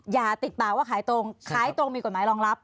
อย่าติดปากว่าขายตรงขายตรงมีกฎหมายรองรับ